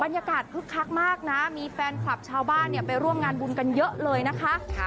บรรยากาศพึกคลักษ์มากน่ะมีแฟนคลับชาวบ้านไปร่วมงานบุญกันเยอะแล้วนะคะ